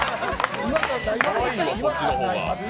かわいいわ、こっちの方が。